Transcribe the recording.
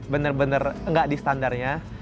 bener bener enggak di standarnya